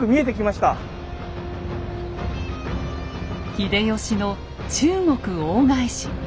秀吉の中国大返し。